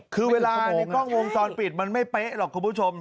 คือเวลาในกล้องวงจรปิดมันไม่เป๊ะหรอกคุณผู้ชม